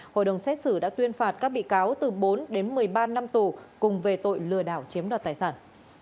hội đồng xét xử đã tuyên phạt các bị cáo từ bốn đến một mươi ba năm tù cùng về tội lừa đảo chiếm đoạt tài sản